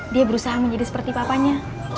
dia berusaha menjadi seperti papanya